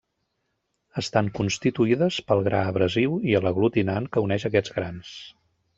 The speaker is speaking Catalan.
Estan constituïdes pel gra abrasiu i l'aglutinant que uneix aquests grans.